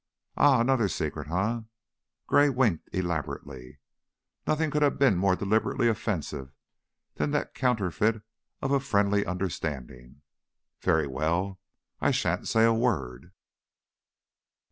"Ah! Another secret, eh?" Gray winked elaborately nothing could have been more deliberately offensive than that counterfeit of a friendly understanding. "Very well, I sha'n't say a word."